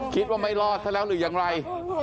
คิดว่าไม่รอดซะแล้วหรือยังไร